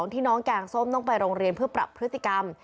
ที่น้องแกงส้มต้องไปโรงเรียนเพื่อปรับพฤติกรรม